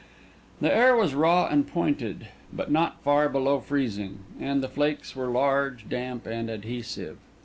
The air was raw and pointed, but not far below freezing; and the flakes were large, damp, and adhesive.